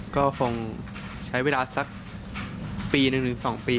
ก็คงใช้เวลาปีนึงสองปี